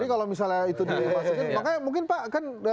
jadi kalau misalnya itu dimasukin makanya mungkin pak kan